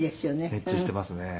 熱中していますね。